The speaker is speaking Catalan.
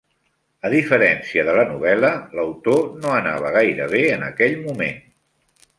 A diferència de la novel·la, l'autor no anava gaire bé en aquell moment.